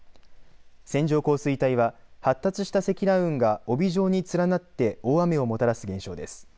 線状降水帯は発達した積乱雲が帯状に連なって大雨をもたらす現象です。